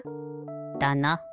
だな。